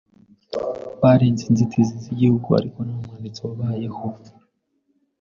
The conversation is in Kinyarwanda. barenze inzitizi z’igihugu ariko nta mwanditsi wabayeho